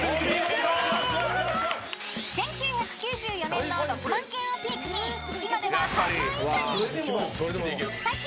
［１９９４年の６万軒をピークに今では半分以下に］